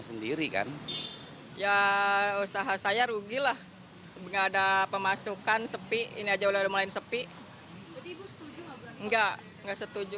sendiri kan ya usaha saya rugilah ada pemasukan sepi ini aja udah malin sepi enggak enggak setuju